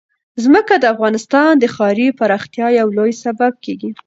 ځمکه د افغانستان د ښاري پراختیا یو لوی سبب کېږي.